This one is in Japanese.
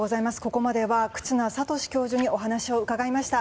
ここまでは忽那賢志教授にお話を伺いました。